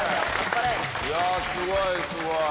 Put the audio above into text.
いやあすごいすごい。